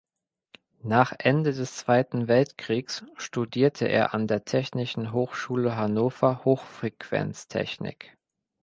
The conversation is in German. Nach Ende des Zweiten Weltkrieges studierte er an der Technischen Hochschule Hannover Hochfrequenztechnik.